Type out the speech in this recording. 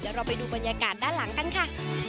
เราไปดูบรรยากาศด้านหลังกันค่ะ